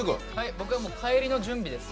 僕は帰りの準備です。